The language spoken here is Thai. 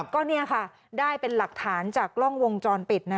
ก็นี่ค่ะได้เป็นหลักฐานจากกล้องวงจรปิด